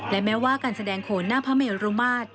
และแม้ว่าการแสดงโขนหน้าพระเมรุมาตร